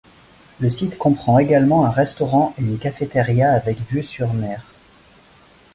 Le site comprend également un restaurant et une cafétéria avec vue sur mer.